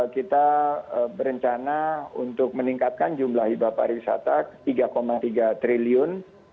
kita berencana untuk meningkatkan jumlah hibah pariwisata tiga tiga triliun